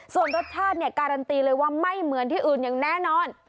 ส่วนรสชาติเนี่ยการันตีเลยว่าไม่เหมือนที่อื่นอย่างแน่นอน